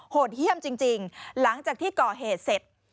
โหดเยี่ยมจริงหลังจากที่ก่อเหตุเสร็จ